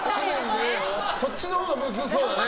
そっちのほうがむずそうだね。